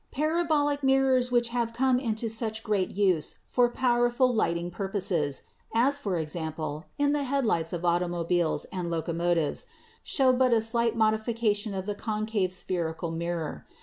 Parabolic mirrors which have come into such general use for powerful lighting purposes — as, for example, in the headlights of automobiles and locomotives — show but a slight modification of the concave spherical mirror.